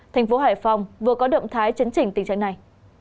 thành phố hải phòng vừa có động thái chấn chỉnh tình trạng này